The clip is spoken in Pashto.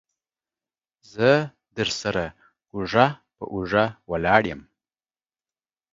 زه درسره اوږه په اوږه ولاړ يم.